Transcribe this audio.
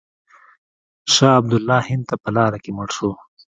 شاه عبدالله هند ته په لاره کې مړ شو.